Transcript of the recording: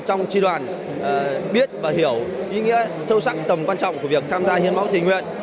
trong tri đoàn biết và hiểu ý nghĩa sâu sắc tầm quan trọng của việc tham gia hiến máu tình nguyện